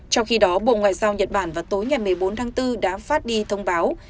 trong khi đó bộ ngoại giao nhật bản vào tối ngày một mươi bốn tháng bốn đã phát đi thông báo